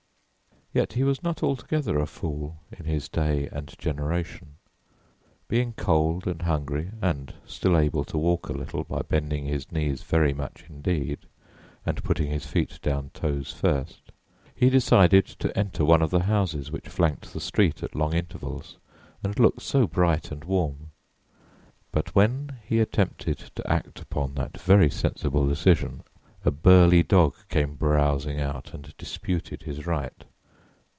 Yet he was not altogether a fool in his day and generation; being cold and hungry, and still able to walk a little by bending his knees very much indeed and putting his feet down toes first, he decided to enter one of the houses which flanked the street at long intervals and looked so bright and warm. But when he attempted to act upon that very sensible decision a burly dog came browsing out and disputed his right.